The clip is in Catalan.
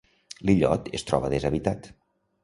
L'illot es troba deshabitat.